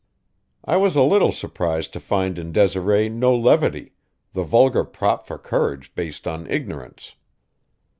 I was a little surprised to find in Desiree no levity, the vulgar prop for courage based on ignorance.